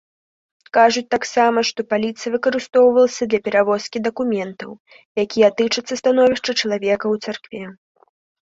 Кажуць таксама, што паліца выкарыстоўвалася для перавозкі дакументаў, якія тычацца становішча чалавека ў царкве.